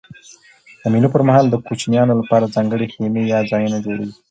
د مېلو پر مهال د کوچنيانو له پاره ځانګړي خیمې یا ځایونه جوړېږي.